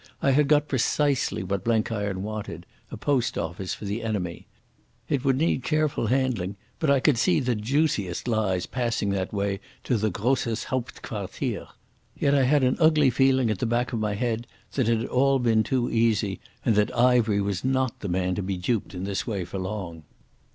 I had got precisely what Blenkiron wanted, a post office for the enemy. It would need careful handling, but I could see the juiciest lies passing that way to the Grosses Hauptquartier. Yet I had an ugly feeling at the back of my head that it had been all too easy, and that Ivery was not the man to be duped in this way for long.